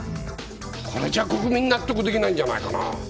これじゃ国民納得できないんじゃないかな。